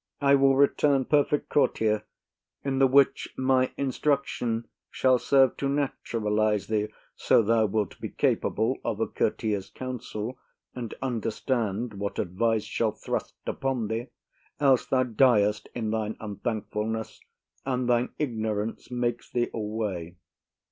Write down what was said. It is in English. I will return perfect courtier; in the which my instruction shall serve to naturalize thee, so thou wilt be capable of a courtier's counsel, and understand what advice shall thrust upon thee; else thou diest in thine unthankfulness, and thine ignorance makes thee away.